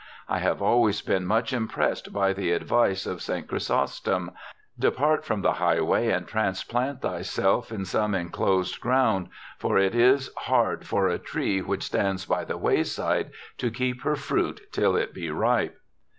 I have always been much impressed by the advice of St. Chrysostom: "Depart from the highway and transplant thyself in some enclosed ground, for it is hard for a tree which stands by the wayside to keep her fruit till it be ripe."